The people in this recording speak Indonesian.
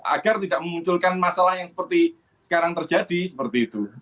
agar tidak memunculkan masalah yang seperti sekarang terjadi seperti itu